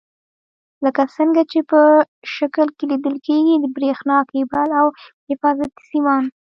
لکه څنګه چې په شکل کې لیدل کېږي د برېښنا کیبل او حفاظتي سیمان.